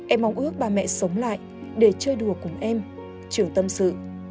em mong ước bà mẹ sống lại để chơi đùa cùng em trưởng tâm sự